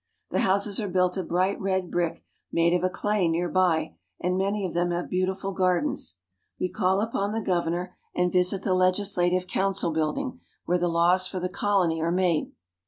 The houses are built of bright red brick made of a clay near by, and many of them have beautiful gardens. We call upon the governor and visit the legis 314 AFRICA lative council building, where the laws for the colony are made.